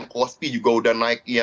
kospi juga udah naik